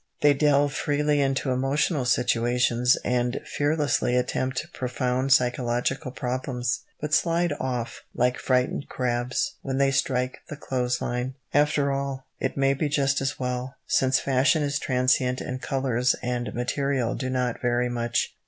They delve freely into emotional situations, and fearlessly attempt profound psychological problems, but slide off like frightened crabs when they strike the clothesline. After all, it may be just as well, since fashion is transient and colours and material do not vary much.